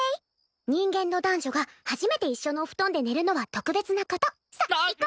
人間の男女が初めて一緒のお布団で寝るのは特別なことさっ行こ！